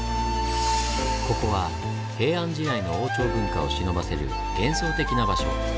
ここは平安時代の王朝文化をしのばせる幻想的な場所。